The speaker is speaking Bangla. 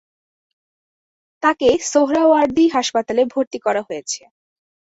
তাকে সোহরাওয়াদী হাসপাতালে ভর্তি করা হয়েছে।